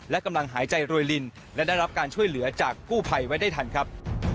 และกำลังหายใจรวยลินและได้รับการช่วยเหลือจากกู้ภัยไว้ได้ทันครับ